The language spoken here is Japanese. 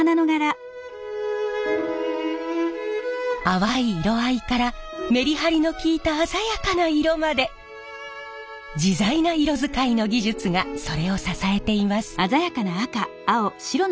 淡い色合いからメリハリの利いた鮮やかな色まで自在な色使いの技術がそれを支えています。